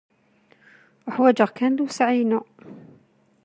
Uḥwaǧeɣ kan lewseɛ-inu.